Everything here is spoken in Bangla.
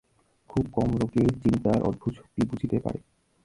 খুব কম লোকেই চিন্তার অদ্ভুত শক্তি বুঝিতে পারে।